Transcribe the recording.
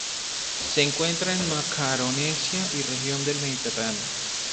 Se encuentra en Macaronesia y región del Mediterráneo.